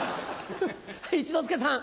はい一之輔さん。